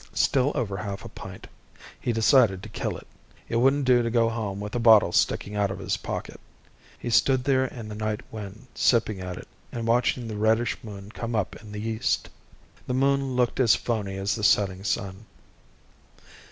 Still over half a pint. He decided to kill it. It wouldn't do to go home with a bottle sticking out of his pocket. He stood there in the night wind, sipping at it, and watching the reddish moon come up in the east. The moon looked as phoney as the setting sun.